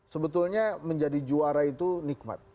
sebetulnya menjadi juara itu nikmat